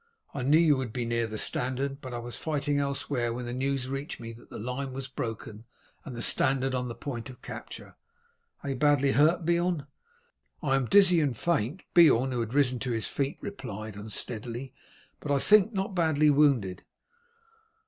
"I knew you would be near the standard, but I was fighting elsewhere when the news reached me that the line was broken and the standard on the point of capture. Are you badly hurt, Beorn?" "I am dizzy and faint," Beorn, who had risen to his feet, replied unsteadily, "but I think not badly wounded."